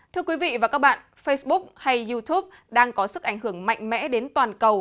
thưa quý vị và các bạn facebook hay youtube đang có sức ảnh hưởng mạnh mẽ đến toàn cầu